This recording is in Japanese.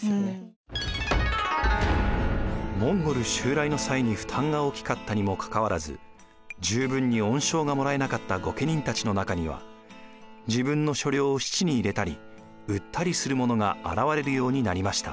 モンゴル襲来の際に負担が大きかったにもかかわらず十分に恩賞がもらえなかった御家人たちの中には自分の所領を質に入れたり売ったりする者が現れるようになりました。